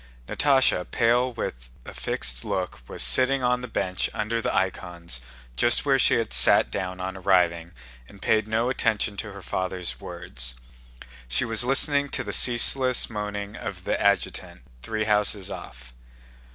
Natásha, pale, with a fixed look, was sitting on the bench under the icons just where she had sat down on arriving and paid no attention to her father's words. She was listening to the ceaseless moaning of the adjutant, three houses off.